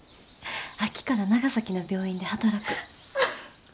秋から長崎の病院で働く。